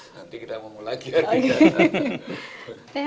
nanti kita mau lagi ya di dalam